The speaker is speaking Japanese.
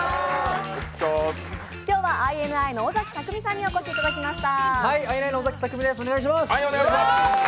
今日はＩＮＩの尾崎匠海さんにお越しいただきました。